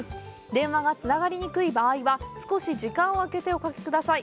電話がつながりにくい場合は少し時間をあけておかけください。